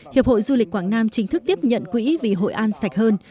hiệp hội du lịch quảng nam chính thức tiếp nhận quỹ vì hội an sạch hơn